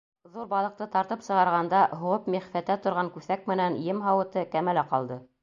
Ҙур балыҡты тартып сығарғанда һуғып миғфәтә торған күҫәк менән ем һауыты кәмәлә ҡалды.